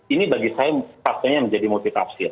ini bagi saya pastinya menjadi multi tafsir